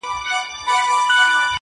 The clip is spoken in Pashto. ما خوبونه وه لیدلي د بېړۍ د ډوبېدلو-